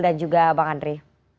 dan juga bang andre